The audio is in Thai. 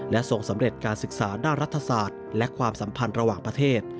ทรงสำเร็จการศึกษาด้านรัฐศาสตร์และความสัมพันธ์ระหว่างประเทศ